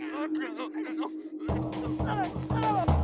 aduh keren lo keren lo